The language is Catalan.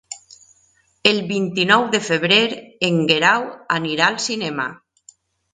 El vint-i-nou de febrer en Guerau anirà al cinema.